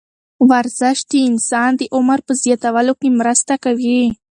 ورزش د انسان د عمر په زیاتولو کې مرسته کوي.